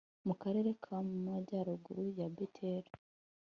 mu karere k'amajyaruguru ya beteli